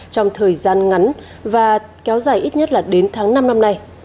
trong thời gian ngắn và kéo dài ít nhất là đến tháng năm năm nay